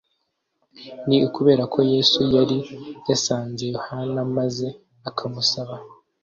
Ni ukubera ko yesu yari yasanze yohana maze akamusaba